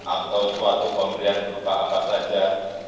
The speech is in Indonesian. atau suatu pemberian berupa apa saja